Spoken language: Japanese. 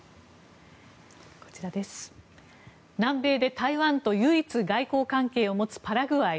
南米で台湾と唯一外交関係を持つパラグアイ。